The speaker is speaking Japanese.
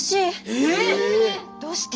え⁉どうして？